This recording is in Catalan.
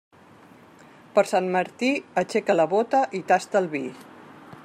Per Sant Martí, aixeca la bóta i tasta el vi.